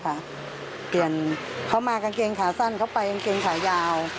เปลี่ยนเขามากางเกงขาสั้นเขาไปกางเกงขายาว